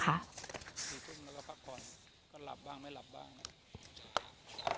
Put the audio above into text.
ก็หลับบ้างไม่หลับบ้าง